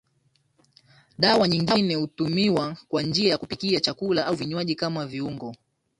Dawa nyingine hutumiwa kwa njia ya kupikia chakula au vinywaji kama viungo